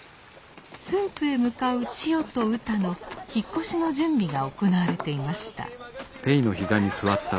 駿府へ向かう千代とうたの引っ越しの準備が行われていました。